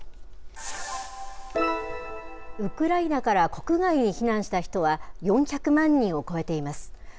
ウクライナから国外に避難した人は４００万人を超えています。